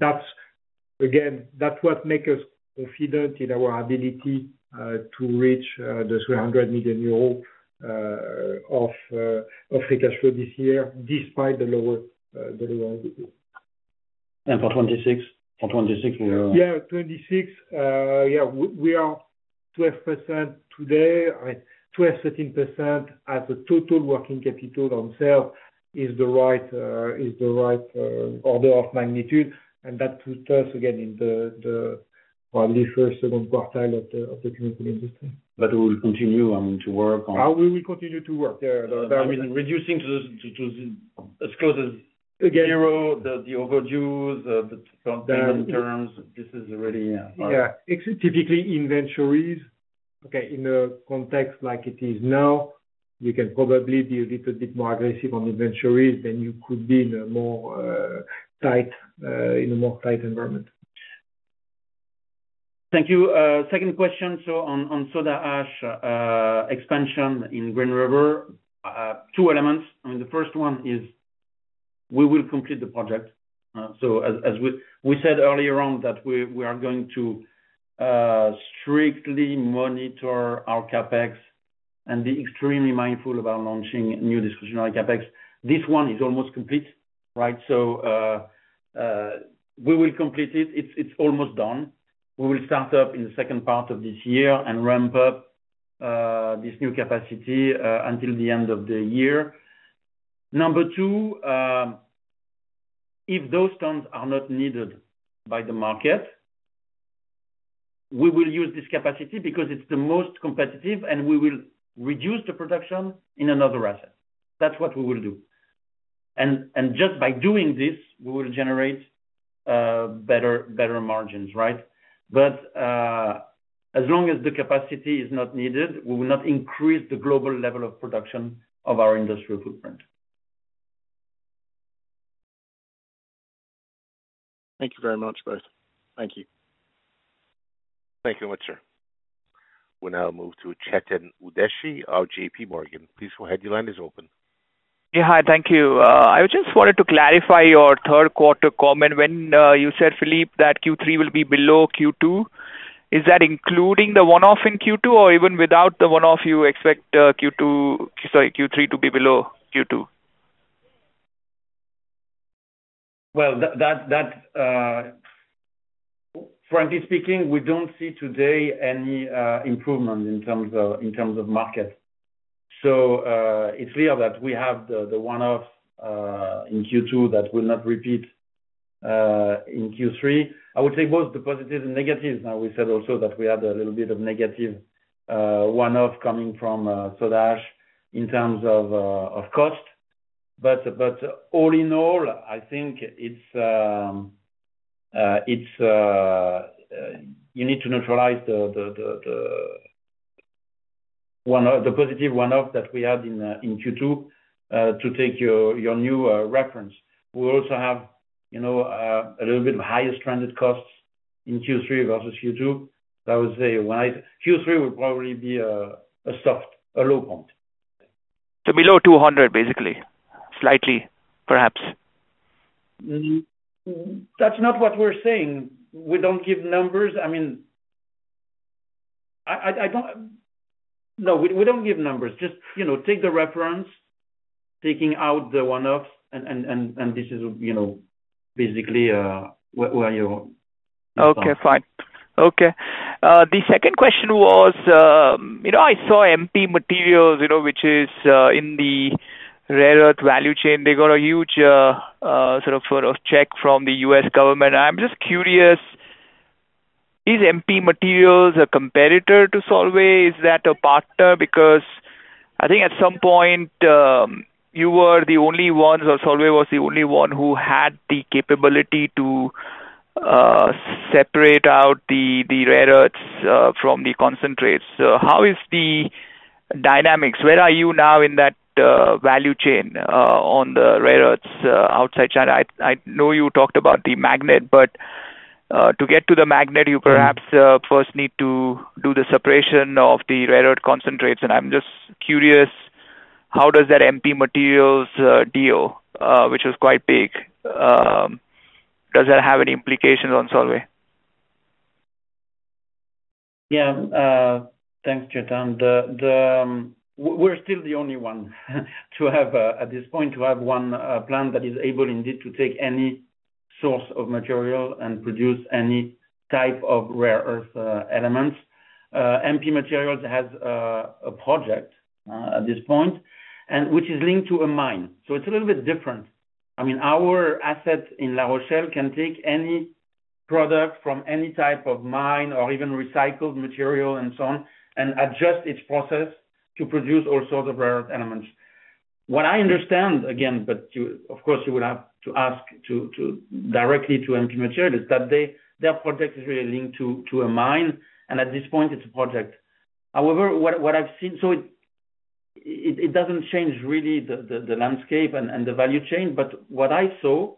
That's what makes us quite confident in our ability to reach the 300 million euro of free cash flow this year despite the lower. For 2026, yeah. 2026, yeah. We are 12% today. 12, 13% as a total working capital themselves is the right order of magnitude. That puts us again in the probably first or second quartile of the chemical industry. We will continue to work on how we will continue to work reducing as close as zero the overdue terms. This is really. Yeah, typically inventories. Okay. In the context like it is now, you can probably be a little bit more aggressive on the venture than you could be in a more tight environment. Thank you. Second question. On Soda Ash expansion in Green River, two elements. The first one is we will complete the project. As we said earlier, we are going to strictly monitor our CapEx and be extremely mindful about launching new discretionary CapEx. This one is almost complete, right? We will complete it. It's almost done. We will start up in the second part of this year and ramp up this new capacity until the end of the year. Number two, if those tons are not needed by the market, we will use this capacity because it's the most competitive, and we will reduce the production in another asset. That's what we will do. Just by doing this, we will generate better margins. As long as the capacity is not needed, we will not increase the global level of production of our industrial footprint. Thank you very much, both. Thank you. Thank you very much. We now move to Chetan Udeshi of JPMorgan. Please go ahead, your line is open. Thank you. I just wanted to clarify your third quarter comment. When you said, Philippe, that Q3 will be below Q2, is that including the one-off in Q2 or even without the one-off, you expect Q3 to be below Q2? Frankly speaking, we don't see today any improvement in terms of market. It's clear that we have the one-off in Q2 that will not repeat in Q3. I would say both the positives and negatives. We said also that we had a little bit of negative one-off coming from Soda Ash in terms of cost. All in all, I think it's, It's, you need to neutralize the one, the positive one-off that we had in Q2. To take your new reference, we also have a little bit of higher stranded costs in Q3 versus Q2. I would say Q3 will probably be a soft, a low point. Below 200, basically. Slightly perhaps? That's not what we're saying. We don't give numbers. I mean, I don't know. We don't give numbers. Just take the reference, taking out the one-offs, and this is basically it. Okay, fine, okay. The second question was, you know, I saw MP Materials, you know, which is in the rare earth value chain. They got a huge sort of check from the U.S. government. I'm just curious, is MP Materials a competitor to Solvay? Is that a partner? Because I think at some point you were the only ones or Solvay was the only one who had the capability to separate out the rare earths from the concentrates. How is the dynamics? Where are you now in that value chain? On the railroads outside China. I know you talked about the magnet, but to get to the magnet, you perhaps first need to do the separation of the rare earth concentrates. I'm just curious, how does that MP Materials deal, which is quite big, does that have any implications on Solvay? Yeah, thanks, Chetan. We're still the only one to have at this point to have one plant that is able indeed to take any source of material and produce any type of rare earth elements. MP Materials has a project at this point which is linked to a mine. It's a little bit different. I mean, our asset in La Rochelle can take any product from any type of mine, or even recycled material and so on, and adjust its process to produce all sorts of rare earth elements. What I understand again, but of course you would have to ask directly to MP Materials, is that their project is really linked to a mine. At this point it's a project, however, what I've seen, it doesn't change really the landscape and the value chain. What I saw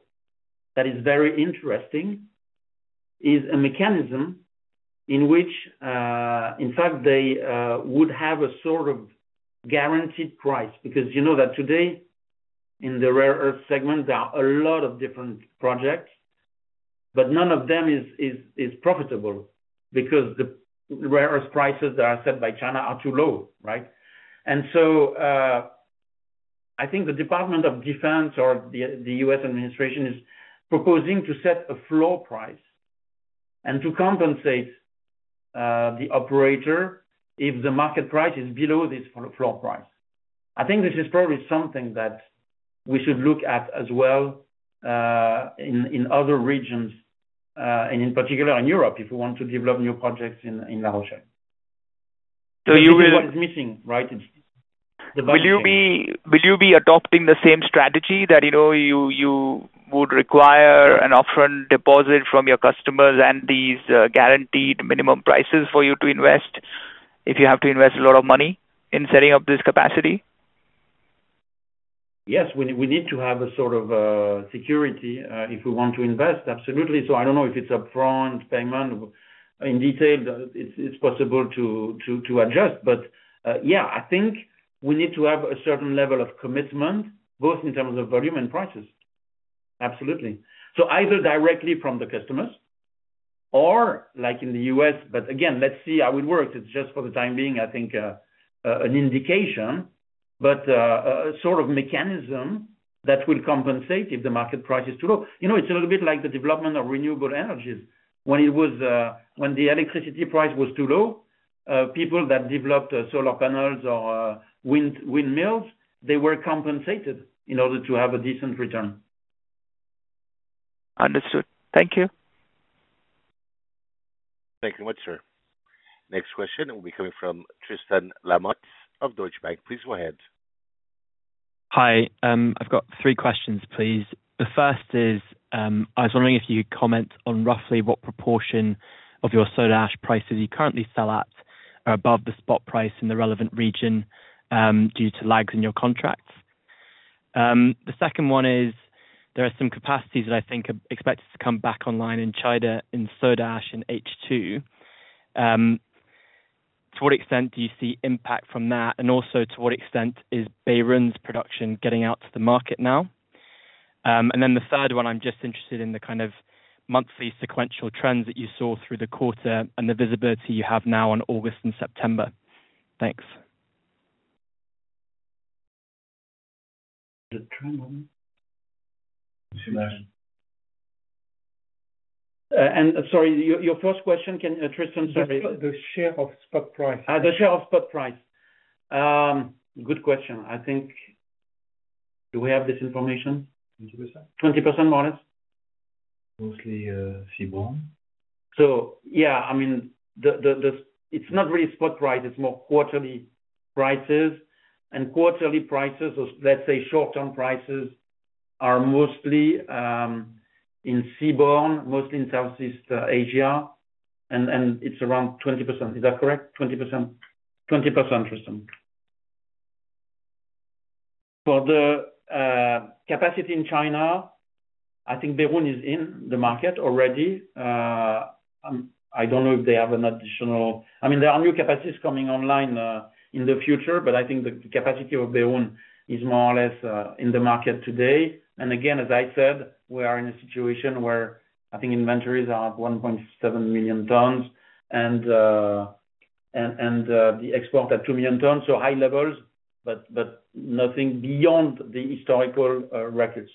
that is very interesting is a mechanism in which in fact they would have a sort of guaranteed price. You know that today in the rare earth segment there are a lot of different projects, but none of them is profitable because the rare earth prices that are set by China are too low. Right. I think the Department of Defense or the U.S. Administration is proposing to set a floor price and to compensate the operator if the market price is below this floor price. I think this is probably something that we should look at as well in other regions and in particular in Europe, if we want to develop new projects in La Rochelle. Right. Will you be adopting the same strategy that you would require an offering deposit from your customers and these guaranteed minimum prices for you to invest? If you have to invest a lot of money in setting up this capacity? Yes, we need to have a sort of security if we want to invest. Absolutely. I don't know if it's a front payment in detail, it's possible to adjust. Yeah, I think we need to have a certain level of commitment both in terms of volume and prices. Absolutely. Either directly from the customers or like in the U.S. Again, let's see how it works. It's just for the time being, I think, an indication, but a sort of mechanism that will compensate if the market price is too low. You know, it's a little bit like the development of renewable energies when it was. When the electricity price was too low, people that developed solar panels or windmills, they were compensated in order to have a decent return. Understood, thank you. Thank you very much, sir. Next question will be coming from Tristan Lamotte of Deutsche Bank. Please go ahead. Hi, I've got three questions, please. The first is I was wondering if you could comment on roughly what proportion of your Soda Ash prices you currently sell at are above the spot price in the relevant region due to lags in your contracts. The second one is there are some capacities that I think are expected to come back online in China in Soda Ash, as in H2. To what extent do you see impact from that? Also, to what extent is Bairun production getting out to the market now? The third one, I'm just interested in the kind of monthly sequential trends that you saw through the quarter and the visibility you have now on August and September. Thanks. Sorry, your first question. Can Tristan? The share of spot price. The share of spot price, good question. I think, do we have this information, 20% more or less? Mostly seaborne. Yeah, I mean, it's not really spot price, it's more quarterly prices, and quarterly prices, let's say short-term prices, are mostly in seaborne, mostly in Southeast Asia, and it's around 20%. Is that correct? 20% for the capacity in China. I think Bairun is in the market already. I don't know if they have an additional. I mean, there are new capacities coming online in the future, but I think the capacity of Bairun is more or less in the market today. Again, as I said, we are in a situation where I think inventories are at 1.7 million tonnes and the export at 2 million tonnes. High levels, but nothing beyond the historical records.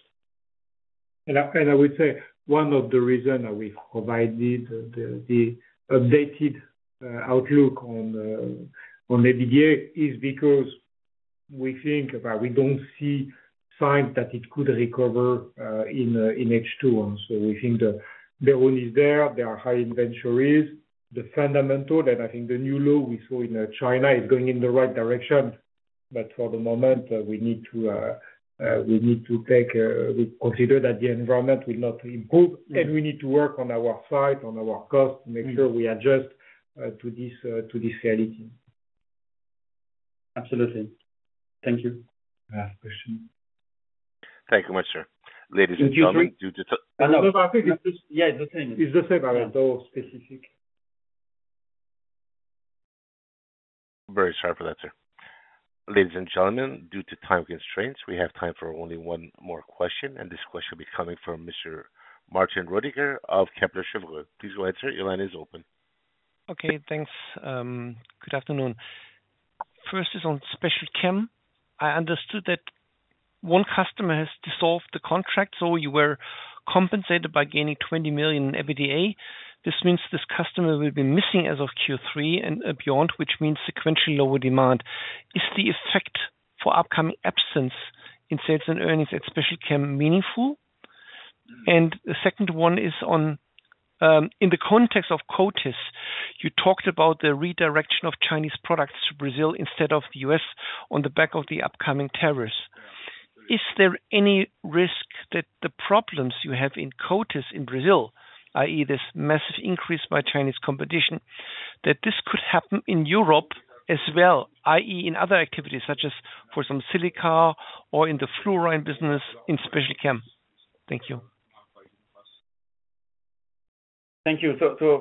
I would say one of the reasons that we provided the updated outlook on EBITDA is because we think about it. We don't see signs that it could recover in H2. We think the burden is there, there are high inventories, the fundamentals. I think the new law we saw in China is going in the right direction. For the moment, we need to take it as it is. We consider that the environment will not improve and we need to work on our side on our cost, make sure we adjust to this reality. Absolutely. Thank you. Thank you, ladies and gentlemen. Yeah, it's the same. It's the same. Very sorry for that, sir. Ladies and gentlemen, due to time constraints, we have time for only one more question. This question will be coming from Mr. Martin Roediger of Kepler Cheuvreux. Please go ahead, sir. The line is open. Okay, thanks. Good afternoon. First is on Special Chem. I understood that one customer has dissolved the contract, so you were compensated by gaining 20 million EBITDA. This means this customer will be missing as of Q3 and beyond, which means sequentially lower demand. Is the effect for upcoming absence in sales and earnings at Special Chem meaningful? The second one is on, in the context of Coatis, you talked about the redirection of Chinese products to Brazil instead of the U.S. on the back of the upcoming tariffs. Is there any risk that the problems you have in Coatis in Brazil, that is this massive increase by Chinese competition, that this could happen in Europe as well, that is in other activities such as for some silica or in the fluorine business in Special Chem? Thank you. Thank you.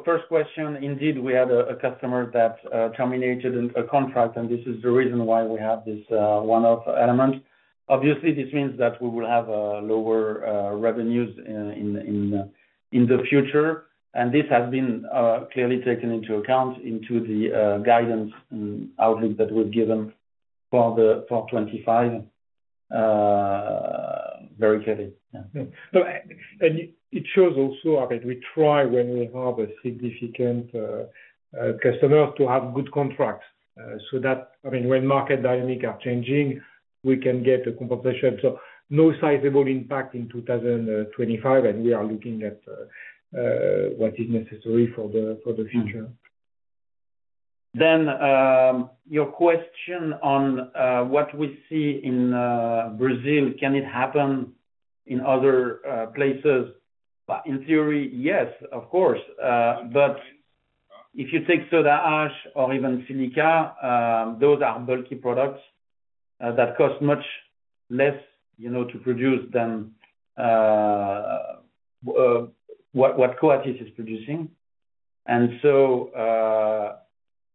First question, indeed, we had a customer that terminated a contract, and this is the reason why we have this one-off element. Obviously, this means that we will have lower revenues in the future, and this has been clearly taken into account in the guidance outlook that we've given for 2025 very clearly. It shows also that we try when we have significant customers to have good contracts, so that when market dynamics are changing, we can get a compensation. No sizable impact in 2025 and we are looking at what is necessary for the future. Your question on what we see in Brazil, can it happen in other places? In theory, yes, of course. If you take Soda Ash or even Silica, those are bulky products that cost much less to produce than what Coatis is producing.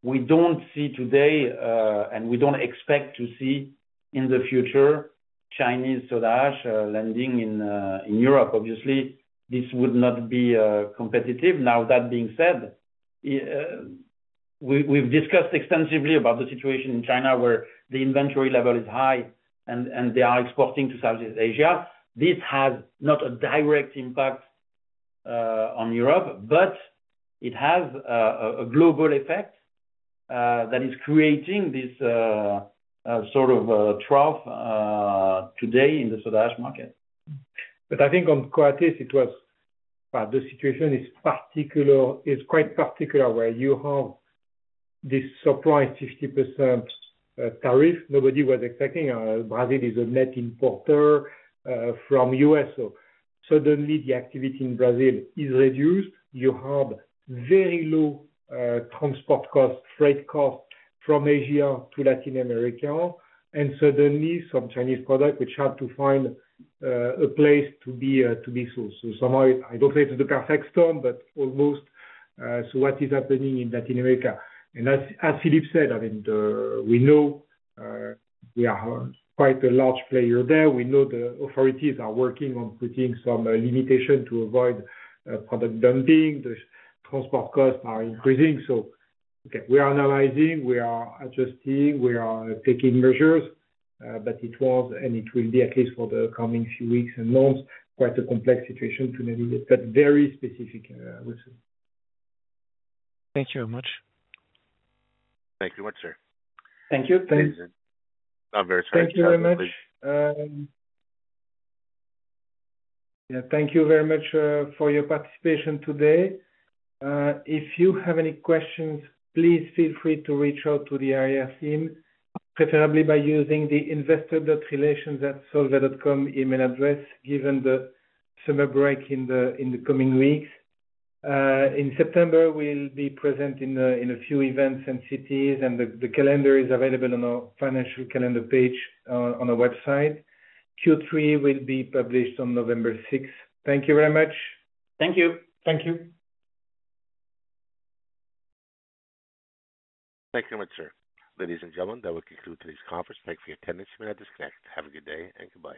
We don't see today and we don't expect to see in the future Chinese lending in Europe, obviously this would not be competitive. That being said, we've discussed extensively about the situation in China where the inventory level is high and they are exporting to Southeast Asia. This has not a direct impact on Europe, but it has a global effect that is creating this sort of trough today in the Soda Ash market. I think on Coatis, the situation is quite particular where you have this surprise 50% tariff, nobody was expecting. Brazil is a net importer from us. Suddenly the activity in Brazil is reduced. You have very low transport costs, freight costs from Asia to Latin America, and suddenly some Chinese product which have to find a place to be. So. I don't say it's the perfect storm, but almost. What is happening in Latin America? As Philippe said, we know we are quite a large player there. We know the authorities are working on putting some limitation to avoid product dumping. The transport costs are increasing. We are analyzing, we are adjusting, we are taking measures. It was, and it will be, at least for the coming few weeks and months, quite a complex situation to navigate, but very specific. Thank you very much. Thank you very much, sir. Thank you. Thank you very much. Thank you very much for your participation today. If you have any questions, please feel free to reach out to the IR team, preferably by using the investor.relations@solvay.com email address. Given the summer break, in the coming weeks in September, we'll be present in a few events and cities, and the calendar is available on our Financial Calendar page on our website. Q3 will be published on November 6. Thank you very much. Thank you. Thank you. Thank you very much, sir. Ladies and gentlemen, that will conclude today's conference. Thank you for your attendance. You may now disconnect. Have a good day and goodbye.